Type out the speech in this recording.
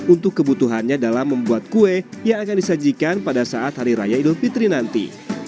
untuk kebutuhannya dalam membuat kue yang akan disajikan pada saat hari raya idul fitri nanti